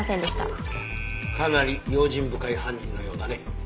かなり用心深い犯人のようだね。